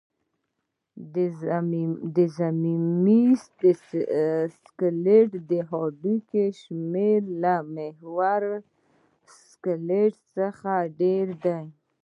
ضمیموي سکلېټ د هډوکو شمېر له محوري سکلېټ څخه ډېر دی.